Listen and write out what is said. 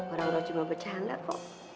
orang orang cuma bercanda kok